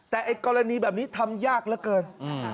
แต่ไอ้กรณีแบบนี้ทำยากเหลือเกิน